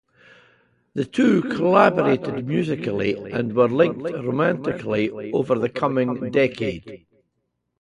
The two collaborated musically and were linked romantically over the coming decade.